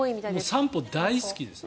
散歩大好きですね。